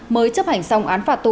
mới chấp hành xong án phạt tù